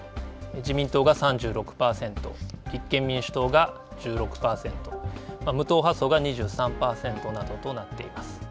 自民党が３６％、立憲民主党が１６％、無党派層が２３％などとなっています。